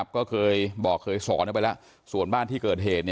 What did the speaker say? ก็เคยบอกเคยสอนกันไปแล้ว